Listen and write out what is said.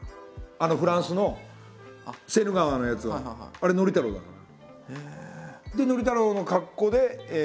あのフランスの「セーヌ川」のやつはあれ憲太郎だから。